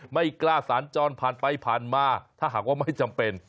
ไม่กล้าสัญจรผ่านไปผ่านมาถ้าหากว่าไม่จำเป็น